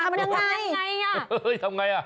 ทำยังไงทำยังไงอ่ะ